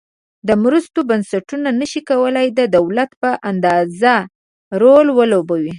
د مرستو بنسټونه نشي کولای د دولت په اندازه رول ولوبوي.